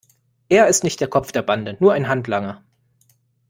Er ist nicht der Kopf der Bande, nur ein Handlanger.